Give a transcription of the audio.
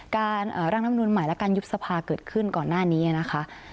ร่างรัฐมนุนใหม่และการยุบสภาเกิดขึ้นก่อนหน้านี้นะคะ